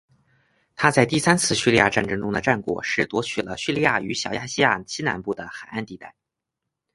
他在第三次叙利亚战争中的战果是夺取了叙利亚与小亚细亚西南部的海岸地带。